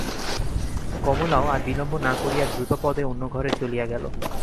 কমলাও আর বিলম্ব না করিয়া দ্রুতপদে অন্য ঘরে চলিয়া গেল।